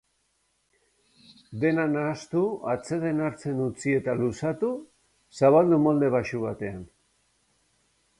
Dena nahastu, atseden hartzen utzi eta luzatu, zabaldu molde baxu batean.